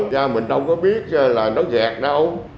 da mình đâu có biết là nó dẹt đâu